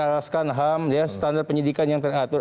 kita meragaskan ham standar penyidikan yang teratur